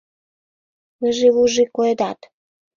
Выжи-вужи коедат.